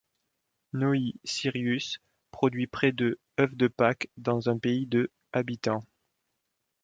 Nói Síríus produit près de œufs de Pâques dans un pays de habitants.